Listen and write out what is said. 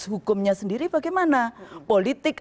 hukumnya sendiri bagaimana politik